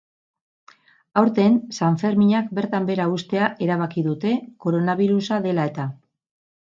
Aurten sanferminak bertan behera uztea erabaki dute, koronabirusa dela eta.